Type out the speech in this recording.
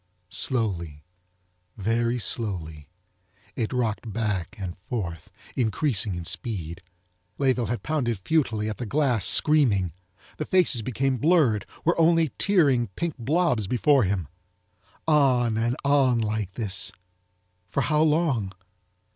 Slowly, very slowly, it rocked back and forth, increasing in speed. Layeville had pounded futilely at the glass, screaming. The faces became blurred, were only tearing pink blobs before him. On and on like this—for how long?